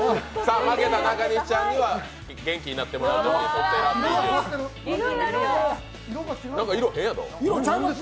負けた中西ちゃんには元気になってもらうためにラッピーです。